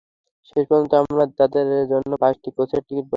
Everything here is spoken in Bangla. শেষ পর্যন্ত আমরা তাঁদের জন্য পাঁচটি কোচের টিকিট বরাদ্দ দিতে পেরেছি।